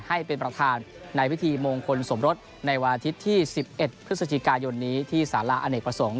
ให้เป็นประธานในพิธีมงคลสมรสในวันอาทิตย์ที่๑๑พฤศจิกายนนี้ที่สาระอเนกประสงค์